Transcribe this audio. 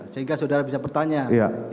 sehingga saudara bisa bertanya